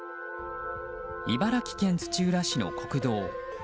茨城県土浦市の国道。